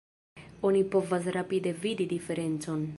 Oni povas rapide vidi diferencon.